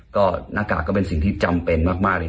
ก็หน้ากากก็เป็นสิ่งที่จำเป็นมากเลย